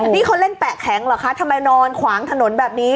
นี่เขาเล่นแปะแข็งเหรอคะทำไมนอนขวางถนนแบบนี้